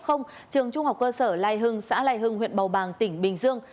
trường trung học cơ sở lai hưng xã lai hưng huyện bầu bàng tỉnh bình dương